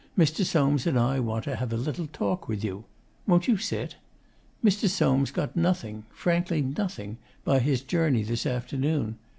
'Mr. Soames and I want to have a little talk with you. Won't you sit? Mr. Soames got nothing frankly nothing by his journey this afternoon.